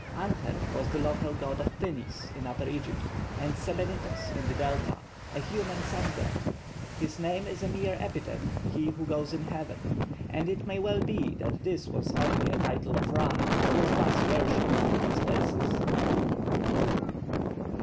+Anher+ was the local god of Thinis in Upper Egypt, and Sebennytos in the Delta, a human sun god. His name is a mere epithet, 'he who goes in heaven'; and it may well be that this was only a title of Ra, who was thus worshipped at these places.